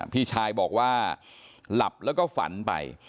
พี่ชายบอกว่าหลับแล้วก็ฝันไป